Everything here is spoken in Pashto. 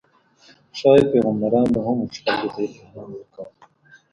ښايي پیغمبران به هم وو، چې خلکو ته یې الهام ورکاوه.